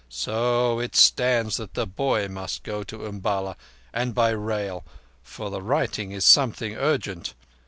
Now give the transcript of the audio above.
So it stands that the boy must go to Umballa—and by rail—for the writing is something urgent.